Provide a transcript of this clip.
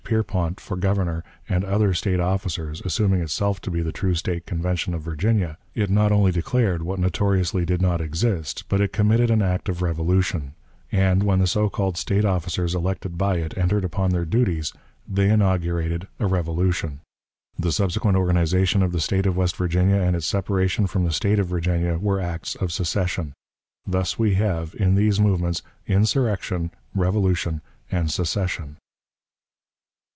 Pierpont for Governor, and other State officers, assuming itself to be the true State Convention of Virginia, it not only declared what notoriously did not exist, but it committed an act of revolution. And, when the so called State officers elected by it entered upon their duties, they inaugurated a revolution. The subsequent organization of the State of West Virginia and its separation from the State of Virginia were acts of secession. Thus we have, in these movements, insurrection, revolution, and secession.